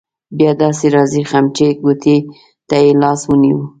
بیا داسې راځې خمچۍ ګوتې ته يې لاس ونیو.